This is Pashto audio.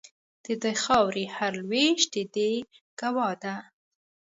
د دې خاوري هر لوېشت د دې ګوا ده